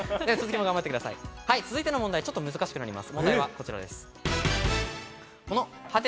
続いての問題はちょっと難しくなります。